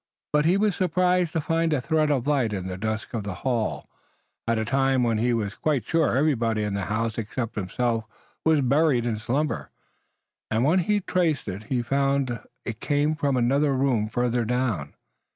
He was surprised to find a thread of light in the dusk of the hall, at a time when he was quite sure everybody in the house except himself was buried in slumber, and when he traced it he found it came from another room farther down.